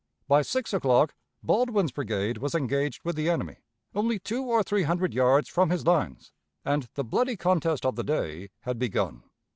By six o'clock, Baldwin's brigade was engaged with the enemy, only two or three hundred yards from his lines, and the bloody contest of the day had begun.